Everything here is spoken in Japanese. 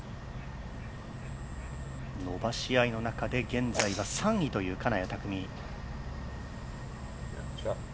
伸ばし合いの中で現在は３位という金谷拓実。